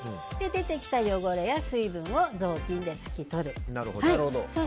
出てきた汚れや水分をぞうきんで拭きとる。